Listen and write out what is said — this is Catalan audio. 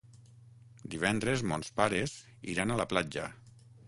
Divendres mons pares iran a la platja.